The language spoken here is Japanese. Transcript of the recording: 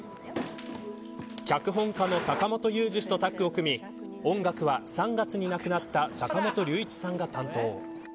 脚本家の坂元裕二氏とタッグを組み音楽は、３月に亡くなった坂本龍一さんが担当。